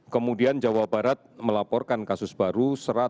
kemudian jawa barat melaporkan kasus baru